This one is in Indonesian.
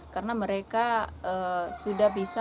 karena mereka sudah bisa